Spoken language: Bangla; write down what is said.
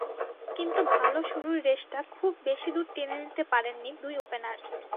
কিন্তু ভালো শুরুর রেশটা খুব বেশি দূর টেনে নিতে পারেননি দুই ওপেনার।